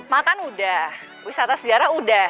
makan sudah wisata sejarah sudah